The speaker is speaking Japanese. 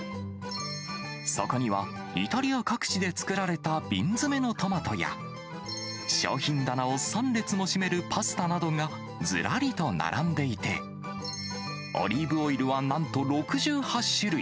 そこには、イタリア各地で作られた瓶詰のトマトや、商品棚を３列も占めるパスタなどがずらりと並んでいて、オリーブオイルはなんと６８種類。